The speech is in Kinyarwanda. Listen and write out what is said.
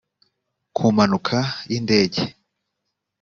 ku mpanuka y indege